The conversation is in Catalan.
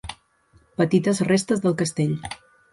Petites restes del castell.